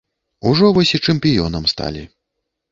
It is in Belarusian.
Ужо вось і чэмпіёнам сталі.